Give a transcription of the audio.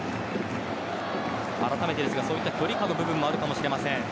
あらためてそういった距離感の部分もあるかもしれません。